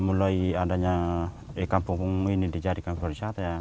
mulai adanya kampung ini dijadikan pariwisata